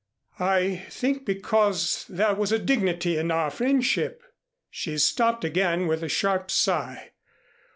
I think because there was a dignity in our friendship " she stopped again with a sharp sigh.